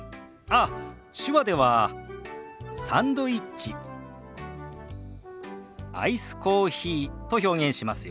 ああ手話では「サンドイッチ」「アイスコーヒー」と表現しますよ。